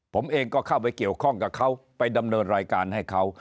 ผมเองก็เข้าไปเกี่ยวข้องกับเขาไปดำเนินรายการให้เขา